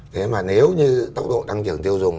thế mà nếu như tốc độ tăng trưởng tiêu dùng